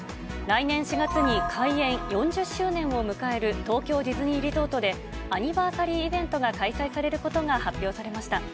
来年４月に開園４０周年を迎える東京ディズニーリゾートで、アニバーサリーイベントが開催されることが発表されました。